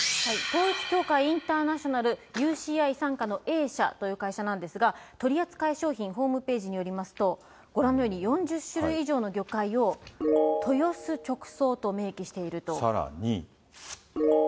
統一教会インターナショナル・ＵＣＩ傘下のＡ社という会社なんですが、取り扱い商品、ホームページによりますと、ご覧のように４０種類以上の魚介を豊洲直送と明記していると。